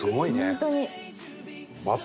ホントに。